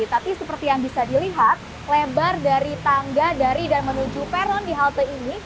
tapi seperti yang bisa dilihat lebar dari tangga dari dan menuju peron di halte ini